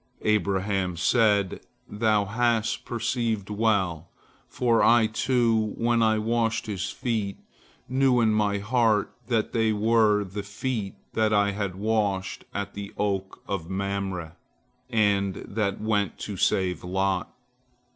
Abraham said: "Thou hast perceived well, for I, too, when I washed his feet, knew in my heart that they were the feet that I had washed at the oak of Mamre, and that went to save Lot."